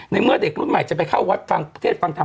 เมื่อเด็กรุ่นใหม่จะไปเข้าวัดฟังประเทศฟังธรรม